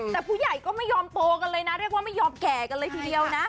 แต่ผู้ใหญ่ก็ไม่ยอมโตกันเลยนะเรียกว่าไม่ยอมแก่กันเลยทีเดียวนะ